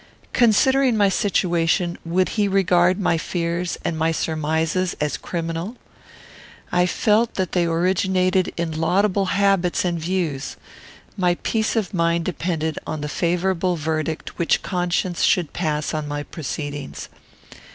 Considering my situation, would he regard my fears and my surmises as criminal? I felt that they originated in laudable habits and views. My peace of mind depended on the favourable verdict which conscience should pass on my proceedings.